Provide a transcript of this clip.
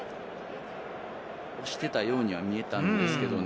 押してたようには見えたんですけれどもね。